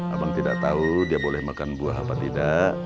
abang tidak tahu dia boleh makan buah apa tidak